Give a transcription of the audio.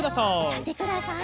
たってください。